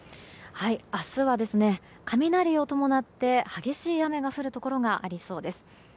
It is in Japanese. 明日は、雷を伴って激しい雨が降るところがありそうです。